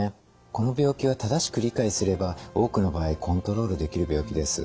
この病気は正しく理解すれば多くの場合コントロールできる病気です。